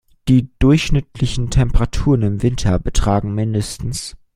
Die durchschnittlichen Temperaturen im Winter betragen min.